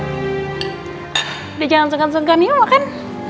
udah jangan senggan senggan yuk makan